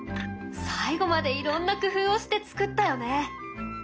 最後までいろんな工夫をして作ったよね。